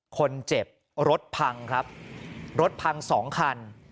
คนเจ็บรถพังครับรถพังสองคัน